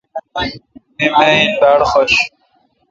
می ماین باڑ حوش